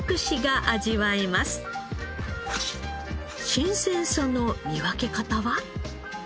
新鮮さの見分け方は？